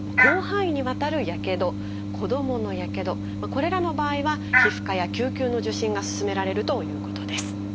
これらの場合は皮膚科や救急の受診が勧められるということです。